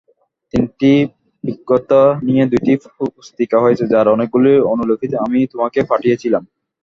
তিনটি বক্তৃতা নিয়ে দুটি পুস্তিকা হয়েছে, যার অনেকগুলির অনুলিপি আমি তোমাকে পাঠিয়েছিলাম।